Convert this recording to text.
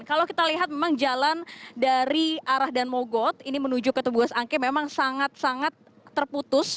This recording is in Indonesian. kalau kita lihat memang jalan dari arah dan mogot ini menuju ke tuguas angke memang sangat sangat terputus